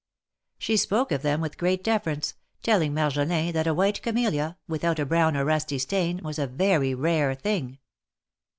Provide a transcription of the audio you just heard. She spoke of them with great deference, telling Marjolin that a white camelia, without a brown or rusty stain, was a very rare thing.